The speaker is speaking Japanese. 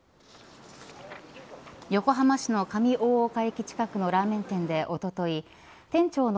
横浜市の上大岡駅近くのラーメン店でおととい店長の